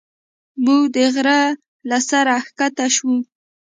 موږ د غره له سره ښکته شوو.